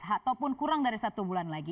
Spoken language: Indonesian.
ataupun kurang dari satu bulan lagi